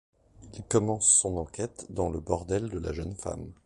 Il commence son enquête dans le bordel de la jeune femme.